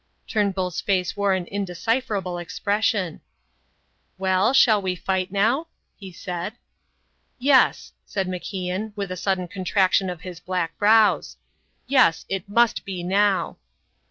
Turnbull's face wore an indecipherable expression. "Well, shall we fight now?" he said. "Yes," said MacIan, with a sudden contraction of his black brows, "yes, it must be now."